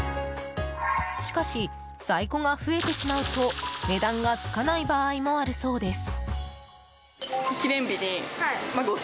しかし、在庫が増えてしまうと値段がつかない場合もあるそうです。